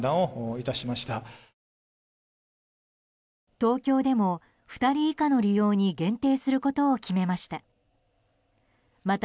東京でも２人以下の利用に限定することを決めました。